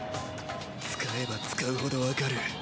使えば使うほどわかる。